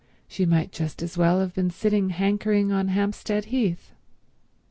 She might just as well have been sitting hankering on Hampstead Heath.